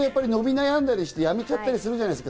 途中で伸び悩んだりして、やめちゃったりするじゃないですか。